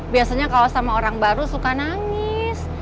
biasanya kalau sama orang baru suka nangis